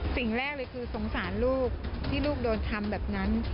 สิ่งแรกเลยคือสงสารลูกที่ลูกโดนทำแบบนั้น